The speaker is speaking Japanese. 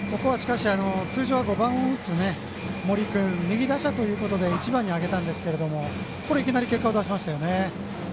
通常は５番を打つ森君右打者ということで１番に上げたんですがいきなり結果を出しましたよね。